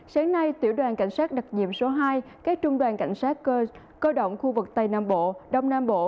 sáng nay tiểu đoàn cảnh sát đặc nhiệm số hai các trung đoàn cảnh sát cơ động khu vực tây nam bộ đông nam bộ